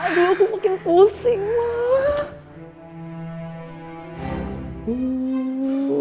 aduh aku makin pusing